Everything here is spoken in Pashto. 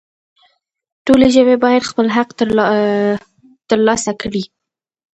ټولې ژبې باید خپل حق ترلاسه کړي